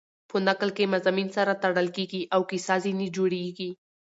په نکل کښي مضامین سره تړل کېږي او کیسه ځیني جوړېږي.